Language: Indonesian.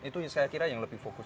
itu saya kira yang lebih fokus